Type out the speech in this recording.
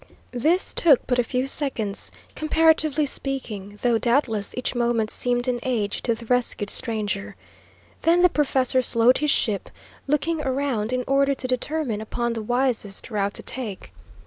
This took but a few seconds, comparatively speaking, though, doubtless, each moment seemed an age to the rescued stranger. Then the professor slowed his ship, looking around in order to determine upon the wisest route to take.